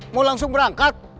mau langsung berangkat